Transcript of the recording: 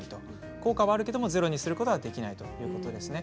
効果はあるけどゼロにすることはできないということです。